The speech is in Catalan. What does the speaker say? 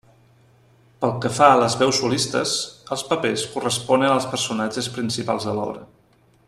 Pel que fa a les veus solistes, els papers corresponen als personatges principals de l'obra.